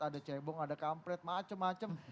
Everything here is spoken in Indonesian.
ada cebong ada kampret macem macem